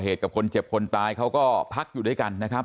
กับคนเจ็บคนตายเขาก็พักอยู่ด้วยกันนะครับ